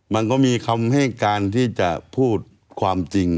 มันก็มีคำให้การที่จะพูดความจริง